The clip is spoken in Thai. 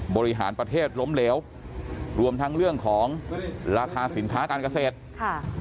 บริหารประเทศล้มเหลวรวมทั้งเรื่องของราคาสินค้าการเกษตรค่ะ